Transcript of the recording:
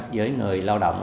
với người lao động